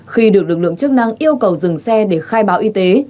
khi được lực lượng chức năng yêu cầu dừng xe để khai báo y tế